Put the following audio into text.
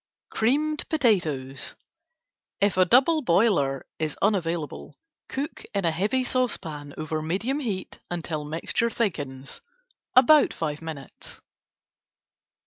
Creamed Potatoes: If a double boiler is unavailable, cook in a heavy saucepan over medium heat until mixture thickens, about 5 minutes.